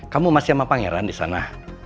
kamu masih sama pangeran di sana